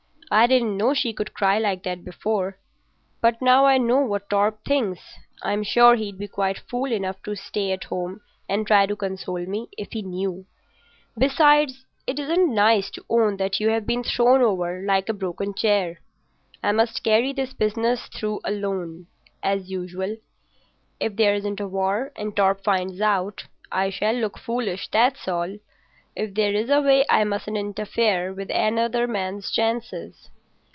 I didn't know she could cry like that before; but now I know what Torp thinks, I'm sure he'd be quite fool enough to stay at home and try to console me—if he knew. Besides, it isn't nice to own that you've been thrown over like a broken chair. I must carry this business through alone—as usual. If there isn't a war, and Torp finds out, I shall look foolish, that's all. If there is a way I mustn't interfere with another man's chances.